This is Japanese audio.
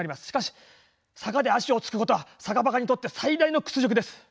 しかし坂で足を着くことは坂バカにとって最大の屈辱です。